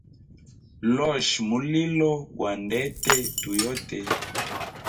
Losha mulilo gwa ndete tu yote.